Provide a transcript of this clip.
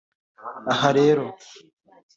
Aha rero